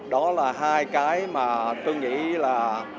đó là hai cái mà tôi nghĩ là